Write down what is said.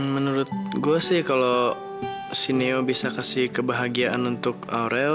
menurut gue sih kalau si neo bisa kasih kebahagiaan untuk aurel